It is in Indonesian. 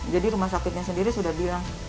jadi rumah sakitnya sendiri sudah bilang